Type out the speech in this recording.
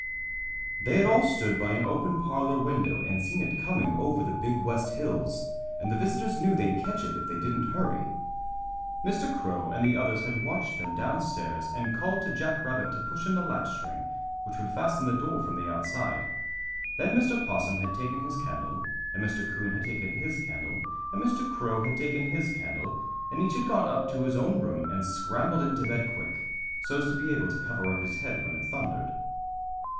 They had all stood by an open parlor window and seen it coming over the Big West Hills, and the visitors knew they'd catch it if they didn't hurry. Mr. Crow and the others had watched them down stairs, and called to Jack Rabbit to push in the latch string, which would fasten the door from the outside. Then Mr. 'Possum had taken his candle, and Mr. 'Coon had taken his candle, and Mr. Crow had taken his candle, and each had gone up to his own room and scrambled into bed quick, so's to be able to cover up his head when it thundered.